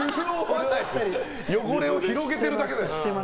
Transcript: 汚れを広げてるだけだよ。